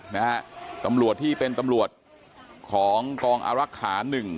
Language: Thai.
นะฮะตำรวจที่เป็นตำรวจของกองอารักษาหนึ่ง